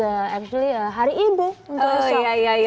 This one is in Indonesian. actually hari ibu untuk usah